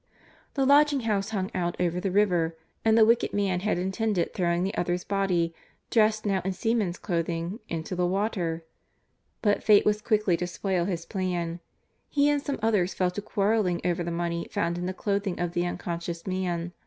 The lodging house hung out over the river and the wicked man had intended throwing the other's body, dressed now in seaman's clothing, into the water. But fate was quickly to spoil his plan. He and some others fell to quarreling over the money found in the clothing of the unconscious man.